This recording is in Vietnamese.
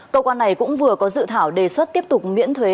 cơ quan này cũng vừa có dự thảo đề xuất tiếp tục miễn thuế